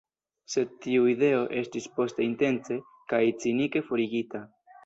Sed tiu ideo estis poste intence kaj cinike forigita.